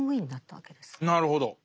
なるほど。